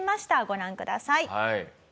ご覧ください。